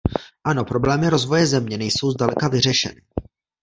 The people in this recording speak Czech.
Ano, problémy rozvoje země nejsou zdaleka vyřešeny.